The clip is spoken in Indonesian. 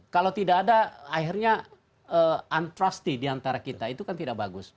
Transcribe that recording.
kalau tidak ada akhirnya untrusty diantara kita itu kan tidak bagus